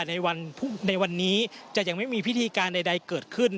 ในวันนี้จะยังไม่มีพิธีการใดเกิดขึ้น